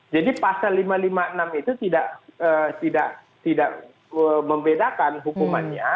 jadi pasal lima ratus lima puluh enam itu tidak membedakan hukumannya